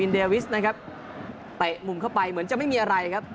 เตะมุมเข้าไปเหมือนจะไม่มีอะไรครับ